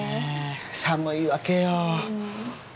寒いわけよ。